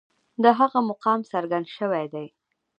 د هغه مقام څرګند شوی دی.